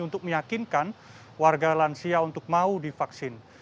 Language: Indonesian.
untuk meyakinkan warga lansia untuk mau divaksin